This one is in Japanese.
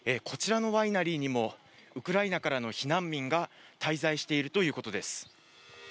こちらのワイナリーにもウクライナからの避難民が滞在しているということです。